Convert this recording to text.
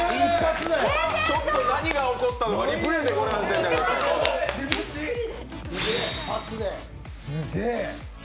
ちょっと何が起こったのかリプレーでご覧ください。